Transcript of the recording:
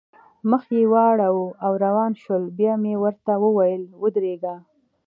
مخ یې واړاوه او روان شول، بیا مې ورته وویل: ودرېږئ.